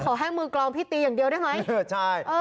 ขอให้มือกรองพี่ตีอย่างเดียวได้ไหมโอเคใช่